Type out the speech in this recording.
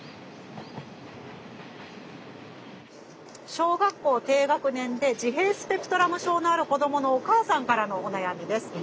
小学校低学年で自閉スペクトラム症のある子どものお母さんからのお悩みです。